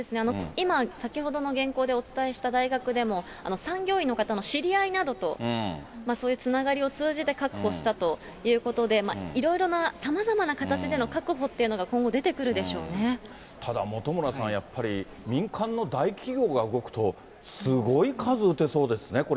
今、先ほどの原稿でお伝えした大学でも、産業医の方の知り合いなどと、そういうつながりを通じて確保したということで、いろいろなさまざまな形での確保っていうのが今後、出てくるでしただ、本村さん、やっぱり、民間の大企業が動くと、すごい数打てそうですね、